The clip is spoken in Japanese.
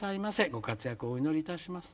ご活躍をお祈りいたします」。